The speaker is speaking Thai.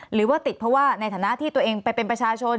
หรือว่าติดเพราะว่าในฐานะที่ตัวเองไปเป็นประชาชน